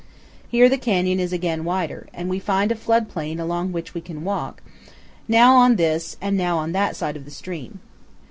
Here the canyon is again wider, and we find a flood plain along which we can walk, now on this, and now on that side of the stream.